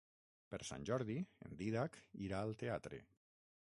Per Sant Jordi en Dídac irà al teatre.